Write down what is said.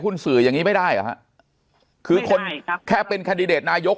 หุ้นสื่ออย่างงี้ไม่ได้หรอฮะไม่ได้ครับคือคนแค่เป็นคันดิเดตนายก